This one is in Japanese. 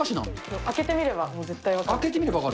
開けてみれば分かる？